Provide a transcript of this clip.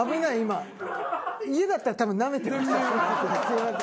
家だったら多分なめてました。